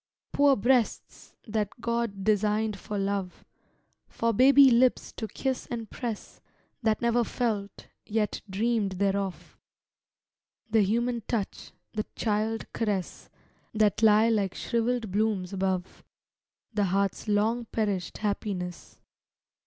Poor breasts! that God designed for love, For baby lips to kiss and press! That never felt, yet dreamed thereof, The human touch, the child caress That lie like shriveled blooms above The heart's long perished happiness.